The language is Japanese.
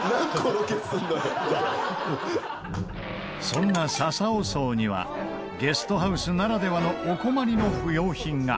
そんなｓａｓａｏｓｏｕにはゲストハウスならではのお困りの不要品が。